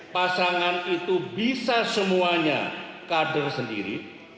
pasangan itu bisa semuanya kader sendiri